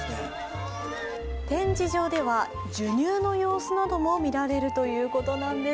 展示場では授乳の様子なども見られるということなんです。